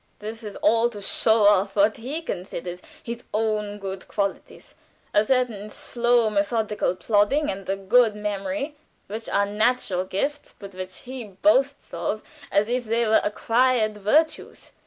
"This is all to show off what he considers his own good qualities; a certain slow, methodical plodding and a good memory, which are natural gifts, but which he boasts of as if they were acquired virtues.